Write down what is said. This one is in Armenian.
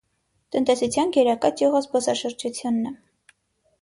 Տնտեսության գերակա ճյուղը զբսաշրջությունն է։